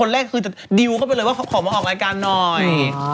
เราก็จะคอยว่าขอมาออกอาการหน่อย